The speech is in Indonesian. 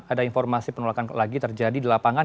ada informasi penolakan lagi terjadi di lapangan